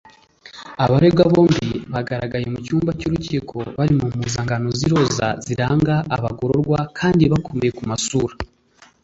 Abaregwa bombi bagaragaye mu cyumba cy’urukiko bari mu mpuzankano z’iroza ziranga abagororwa kandi bakomeye ku masura